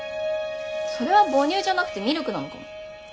それは母乳じゃなくてミルクなのかも。